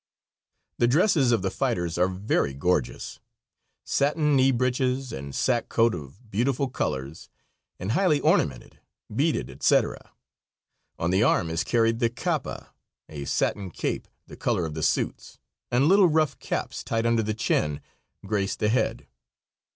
The dresses of the fighters are very gorgeous: satin knee breeches and sack coat of beautiful colors, and highly ornamented, beaded, etc. On the arm is carried the capa, a satin cape, the color of the suits, and little rough caps, tied under the chin, grace the head.